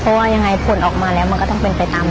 เพราะว่ายังไงผลออกมาแล้วมันก็ต้องเป็นไปตาม